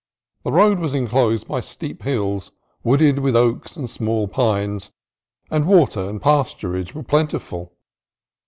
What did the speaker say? The road was enclosed by steep hills wooded with oaks and small pines, and water and pasturage were plen tiful.